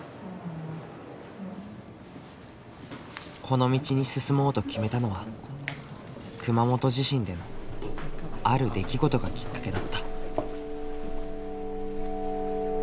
この道に進もうと決めたのは熊本地震でのある出来事がきっかけだった。